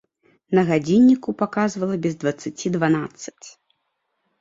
На гадзінніку паказвала без дваццаці дванаццаць.